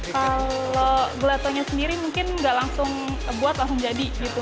kalau gelatonya sendiri mungkin nggak langsung buat langsung jadi gitu